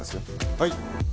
はい！